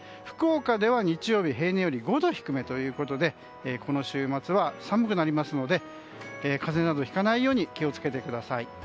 福岡では日曜日平年より５度低めということでこの週末は、寒くなりますので風邪などひかないように気を付けてください。